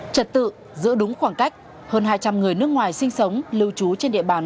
trật tự giữ đúng khoảng cách hơn hai trăm linh người nước ngoài sinh sống lưu trú trên địa bàn